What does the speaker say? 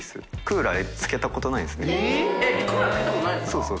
そうそう。